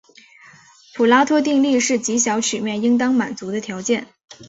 普拉托定律是极小曲面应当满足的条件。